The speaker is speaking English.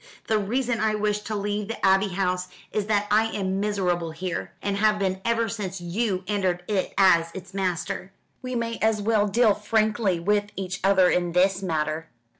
The reason I wish to leave the Abbey House is that I am miserable here, and have been ever since you entered it as its master. We may as well deal frankly with each other in this matter.